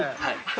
はい。